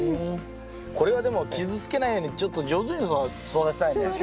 これはでも傷つけないようにちょっと上手に育てたいね。